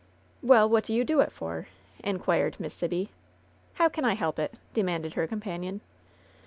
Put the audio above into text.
"Well, what do you do it for ?" inquired Miss Sibby. "How can I help it ?" demanded her companion.